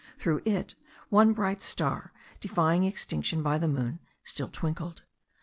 Through it one bright star, defying extinction by the moon, still twinkled.